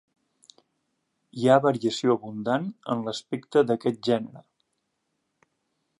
Hi ha variació abundant en l'aspecte d'aquest gènere.